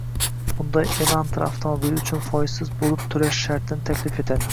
Hyundai Elantra avtomobili uchun foizsiz bo‘lib to‘lash shartini taklif etadi